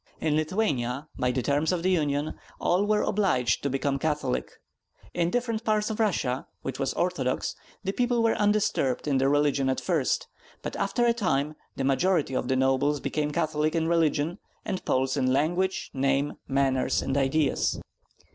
In Lithuania, by the terms of the union, all were obliged to become Catholic; in different parts of Russia, which was Orthodox, the people were undisturbed in their religion at first; but after a time the majority of the nobles became Catholic in religion, and Poles in language, name, manners, and ideas.